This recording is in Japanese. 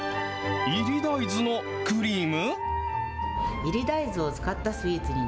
いり大豆のクリーム？